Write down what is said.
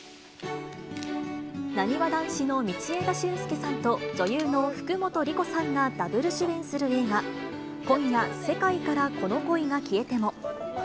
なにわ男子の道枝駿佑さんと、女優の福本莉子さんがダブル主演する映画、今夜、世界からこの恋が消えても。